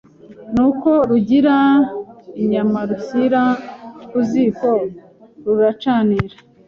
Nuko rugira inyama rushyira ku ziko ruracanira